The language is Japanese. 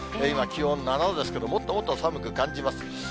今、気温７度ですけども、もっともっと寒く感じます。